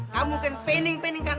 kamu kan pening pening kan